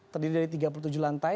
terdiri dari tiga puluh tujuh lantai